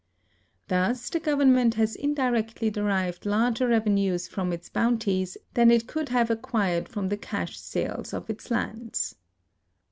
Thus the gov ernment has indirectly derived larger revenues from its bounties than it could have acquired from the cash sales of its lands.